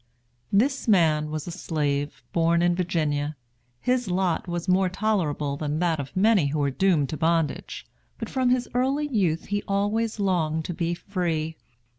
This man was a slave, born in Virginia. His lot was more tolerable than that of many who are doomed to bondage; but from his early youth he always longed to be free.